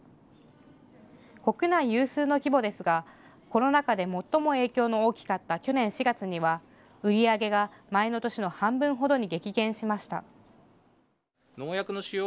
国内有数の規模ですがコロナ禍で最も影響の大きかった去年４月には売り上げが前の年の半分ほどに激減しました。